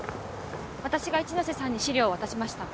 私が一ノ瀬さんに資料を渡しました。